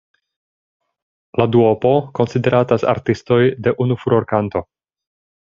La duopo konsideratas artistoj de unu furorkanto.